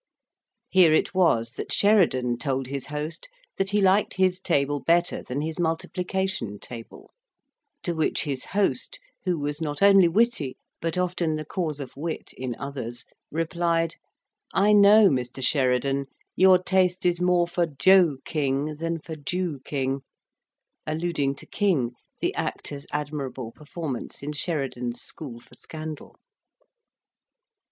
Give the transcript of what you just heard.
Here it was that Sheridan told his host that he liked his table better than his multiplication table; to which his host, who was not only witty, but often the cause of wit in others, replied, "I know, Mr. Sheridan: your taste is more for Jo king than for Jew King," alluding to King, the actor's admirable performance in Sheridan's School for Scandal.